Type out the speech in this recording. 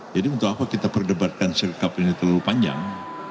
jadi untuk apa kita perdebatkan sirekap ini terlalu panjang